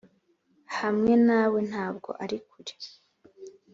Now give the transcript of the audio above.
hamwe nawe; ntabwo ari kure.